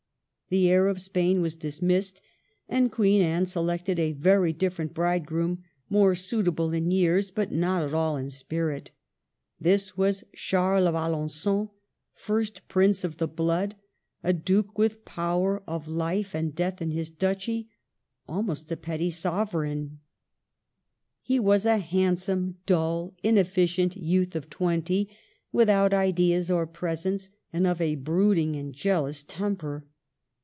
The heir of Spain was dismissed, and Queen Anne selected a very different bridegroom, more suitable in years, but not at all in spirit. This was Charles of Alen^on, first Prince of the Blood, a duke with power of life and death in his duchy, — almost a petty sovereign. He was CHILDHOOD AND MARRIAGE. 25 a handsome, dull, inefficient youth of twenty, without ideas or presence, and of a brooding and jealous temper.